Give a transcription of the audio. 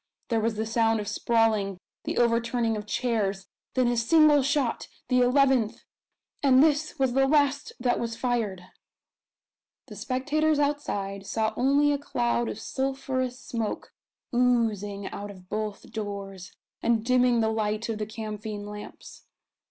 There was the sound of sprawling the overturning of chairs then a single shot the eleventh and this was the last that was fired! The spectators outside saw only a cloud of sulphurous smoke oozing out of both doors, and dimming the light of the camphine lamps.